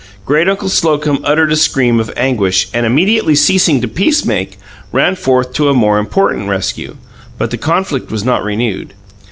Great uncle Slocum uttered a scream of anguish, and, immediately ceasing to peacemake, ran forth to a more important rescue; but the conflict was not renewed.